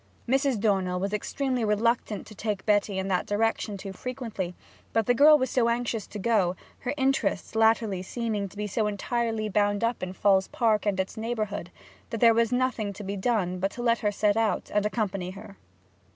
Mrs. Dornell was extremely reluctant to take Betty in that direction too frequently; but the girl was so anxious to go, her interests latterly seeming to be so entirely bound up in Falls Park and its neighbourhood, that there was nothing to be done but to let her set out and accompany her.